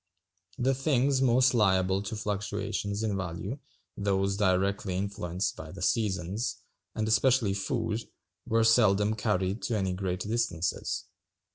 The things most liable to fluctuations in value, those directly influenced by the seasons, and especially food, were seldom carried to any great distances.